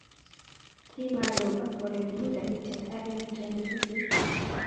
Kimaloo ak olekimi taritiet ake nekiame tutuik